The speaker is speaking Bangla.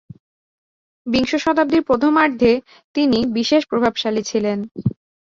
বিংশ শতাব্দীর প্রথমার্ধে তিনি বিশেষ প্রভাবশালী ছিলেন।